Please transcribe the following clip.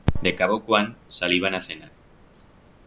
De cabo cuan saliban a cenar.